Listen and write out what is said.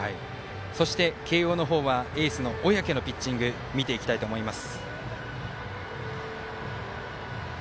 そして慶応はエースの小宅のピッチングを見ていきたいと思います。